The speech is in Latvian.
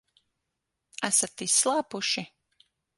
Esat izslāpuši?